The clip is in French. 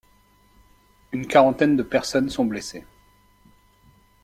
Une quarantaine de personnes sont blessés.